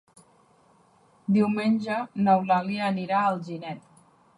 Diumenge n'Eulàlia anirà a Alginet.